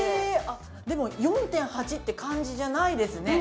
でも、４．８って感じじゃないですね。